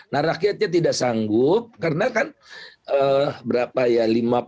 nah rakyatnya tidak sanggup karena kan berapa ya